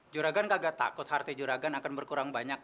juragan nggak takut harta juragan akan berkurang banyak